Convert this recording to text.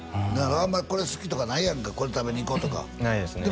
あんまりこれ好きとかないやんかこれ食べに行こうとかないですね